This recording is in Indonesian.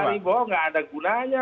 pak arifin tidak ada gunanya